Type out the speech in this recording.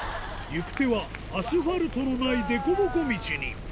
行く手は、アスファルトのない、でこぼこ道に。